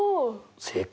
正解。